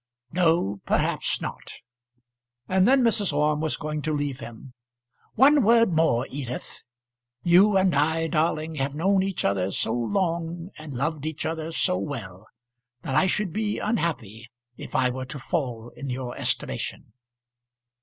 "No; perhaps not." And then Mrs. Orme was going to leave him. "One word more, Edith. You and I, darling, have known each other so long and loved each other so well, that I should be unhappy if I were to fall in your estimation."